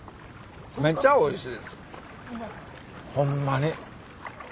めちゃおいしいです。ホンマに。